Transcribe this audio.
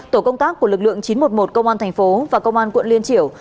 tổ công tác của lực lượng chín trăm một mươi một công an thành phố và công an quận liên triểu